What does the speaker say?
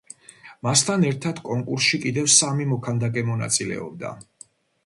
მასთან ერთად კონკურსში კიდევ სამი მოქანდაკე მონაწილეობდა.